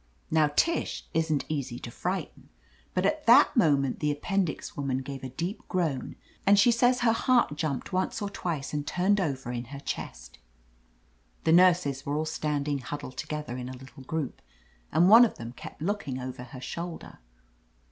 Now Tish isn't easy to frighten, but at that ID /. OF LETITIA CARBERRY moment the appendix woman gave a deep groan and she says her heart jumped once or twice and turned over in her chest. The nurses were all standing huddled together in a little group, and one of them kept looking over her shoulder.